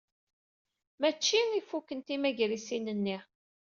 Mačči i ifuken timagrisin-nni.